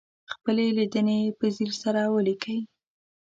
خپلې لیدنې په ځیر سره ولیکئ.